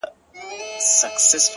• څومره چي يې مينه كړه؛